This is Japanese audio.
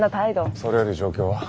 それより状況は？